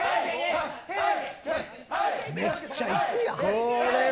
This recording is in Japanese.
めっちゃいくやん。